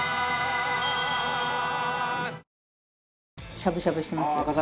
しゃぶしゃぶしてますよ。